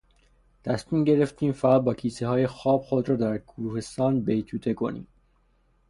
تصمیم گرفتیم فقط باکیسههای خواب خود در کوهستان بیتوته کنیم.